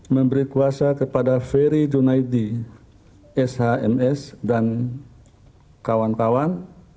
memberi kuasa kepada ferry junaidi shms dan kawan kawan